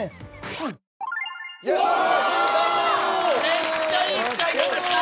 めっちゃいい使い方した。